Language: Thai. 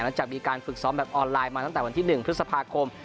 จากมีการฝึกซ้อมแบบออนไลน์มาตั้งแต่วันที่๑พฤษภาคม